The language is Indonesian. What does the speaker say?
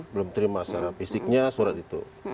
belum terima secara fisiknya surat itu